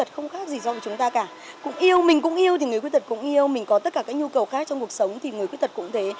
không khác gì do của chúng ta cả cũng yêu mình cũng yêu thì người khuyết tật cũng yêu mình có tất cả các nhu cầu khác trong cuộc sống thì người khuyết tật cũng thế